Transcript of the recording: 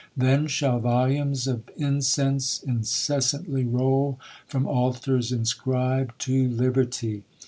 Then shall volumes of incense incessantly roll from altars inscribed to liberty.